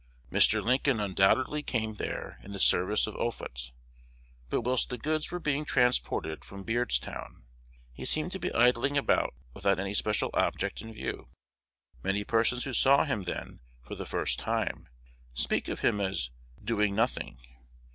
Mr. Lincoln undoubtedly came there in the service of Offutt, but whilst the goods were being transported from Beardstown he seemed to be idling about without any special object in view. Many persons who saw him then for the first time speak of him as "doing nothing."